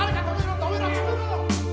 止めろ。